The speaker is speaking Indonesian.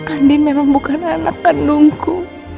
andi memang bukan anak kandungku